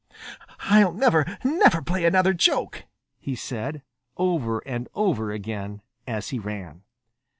"I'll never, never play another joke," he said, over and over again as he ran.